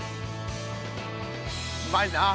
うまいなあ。